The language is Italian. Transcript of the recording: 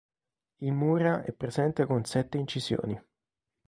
Il Mura è presente con sette incisioni.